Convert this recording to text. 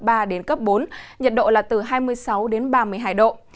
gió đông cấp bốn nhiệt độ là từ hai mươi sáu đến ba mươi hai độ